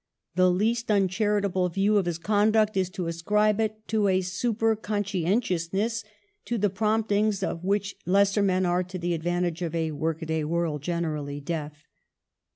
The least uncharitable view of his conduct is to ascribe it to a super conscientiousness, to the promptings of which lesser men are, to the advantage of a work a day world, generally deaf.